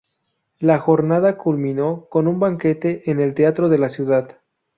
La jornada culminó con un banquete en el teatro de la ciudad.